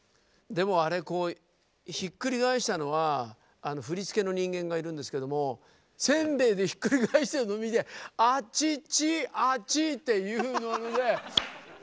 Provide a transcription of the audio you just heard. でもあれこうひっくり返したのは振り付けの人間がいるんですけどもせんべいでひっくり返してるの見て「アチチアチ」っていうので。